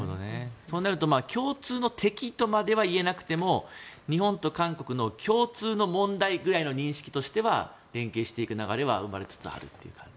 そうなると共通の敵とまではいえなくても日本と韓国の共通の問題ぐらいの認識としては連携していく流れは生まれつつあるという感じですかね。